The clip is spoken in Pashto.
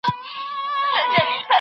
خدای ج د انسانانو هڅي نه ضایع کوي.